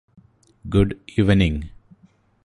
good evening